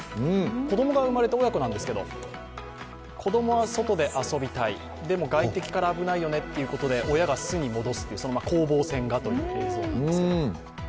子供が生まれた親子なんですけど、子供は外で遊びたい、でも外敵から危ないよねってことで親が巣に戻すその攻防戦がということなんですが。